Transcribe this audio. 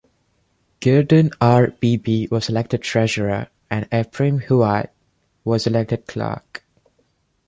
Guerdon R. Beebee was elected treasurer, and Ephraim Huyatt was elected clerk.